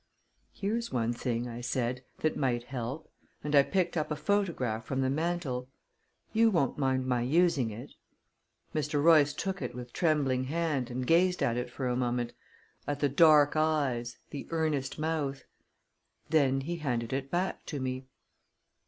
"Here's one thing," I said, "that might help," and I picked up a photograph from the mantel. "You won't mind my using it?" Mr. Royce took it with trembling hand and gazed at it for a moment at the dark eyes, the earnest mouth Then he handed it back to me.